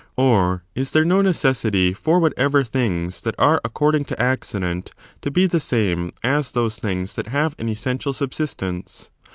Or is there no necessity for whatever things that are according to accident to be the same, as those things that have an essential subsistence?